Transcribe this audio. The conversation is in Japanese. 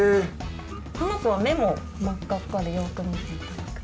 この子は目も真っ赤っかでよく見ていただくと。